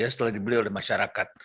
setelah dibeli oleh masyarakat